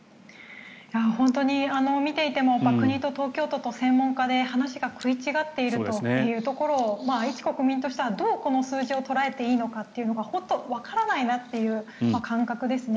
本当に見ていても国と東京都と専門家で、話が食い違っているというところを一国民としては、どうこの数字を捉えていいのかというのが本当にわからないなという感覚ですね。